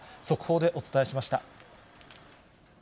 速報でお伝えしました。